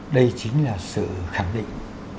đây chính là sự khẳng định